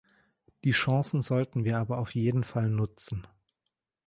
Die Chancen sollten wir aber auf jeden Fall nutzen.